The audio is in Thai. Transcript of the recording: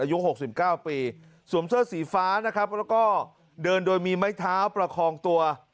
อายุ๖๙ปีสวมเสื้อสีฟ้านะครับแล้วก็เดินโดยมีไม้เท้าประคองตัว